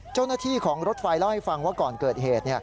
เจ้าหน้าที่ของรถไฟเล่าให้ฟังว่าก่อนเกิดเหตุ